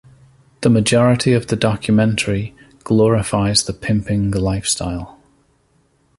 The majority of the documentary glorifies the pimping lifestyle.